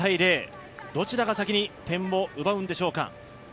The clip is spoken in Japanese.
０−０、どちらが先に点を奪うんでしょうか。